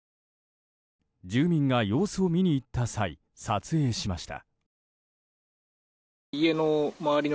住民が様子を見に行った際撮影しました。